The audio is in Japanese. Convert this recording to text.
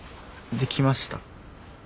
できました。